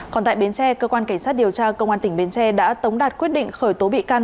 còn tại bến tre cơ quan cảnh sát điều tra công an tỉnh bến tre đã tống đạt quyết định khởi tố bị can